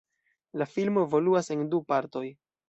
La filmo evoluas en du partoj.